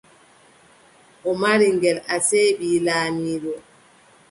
O maari ngel, asee, ɓii laamiiɗo.